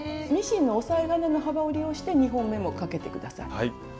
ミシンの押さえ金の幅を利用して２本目もかけて下さい。